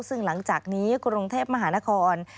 ซึ่งหลังจากนี้กรุงเทพมหานคร